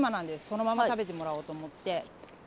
そのまま食べてもらおうと思って。